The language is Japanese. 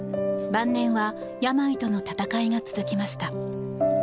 晩年は病との闘いが続きました。